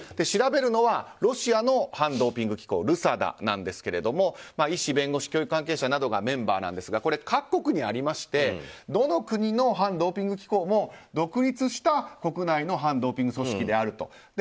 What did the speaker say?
調べるのはロシアの反ドーピング機構ＲＵＳＡＤＡなんですが医師、弁護士教育関係者などがメンバーなんですがこれは各国にありましてどの国の反ドーピング機構も独立した国内の反ドーピング組織であると。